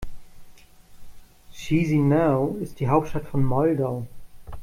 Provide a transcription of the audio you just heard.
Chișinău ist die Hauptstadt von Moldau.